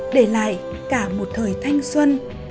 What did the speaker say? để lại cả một thời thanh xuân